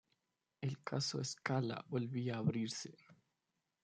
El Caso Scala volvía a abrirse.